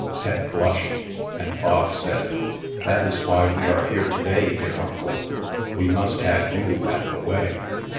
Pet blushed; and Bog said, "That is why we are here to day, dear uncle. We must have you at the wedding."